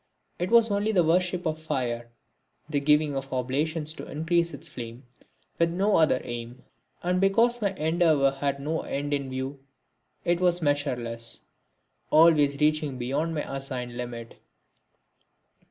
It was only the worship of fire, the giving of oblations to increase its flame with no other aim. And because my endeavour had no end in view it was measureless, always reaching beyond any assigned limit.